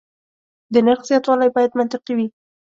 د نرخ زیاتوالی باید منطقي وي.